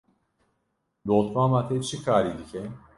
Dotmama te çi karî dike?